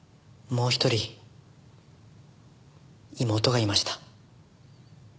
もう一人妹がいました。